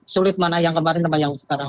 sulit mana yang kemarin mana yang sekarang